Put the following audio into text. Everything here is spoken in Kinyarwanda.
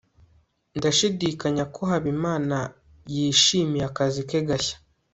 ndashidikanya ko habimana yishimiye akazi ke gashya